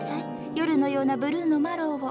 夜のようなブルーのマロウを。